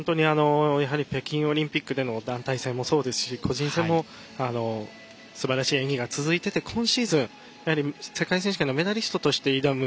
北京オリンピックでの団体戦もそうですし個人戦もすばらしい演技が続いていて今シーズン、世界選手権のメダリストとして挑む